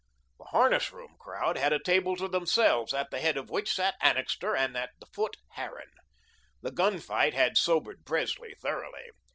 The harness room crowd had a table to themselves, at the head of which sat Annixter and at the foot Harran. The gun fight had sobered Presley thoroughly.